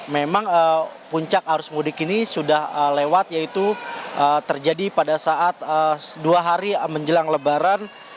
memang puncak arus mudik ini sudah lewat yaitu terjadi pada saat dua hari menjelang lebaran